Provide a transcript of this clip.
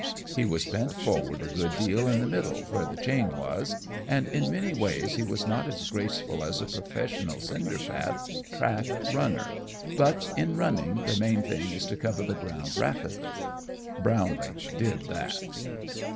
He was bent forward a good deal in the middle, where the chain was, and in many ways he was not as graceful as a professional cinder path track runner, but, in running, the main thing is to cover the ground rapidly. Brownlee did that.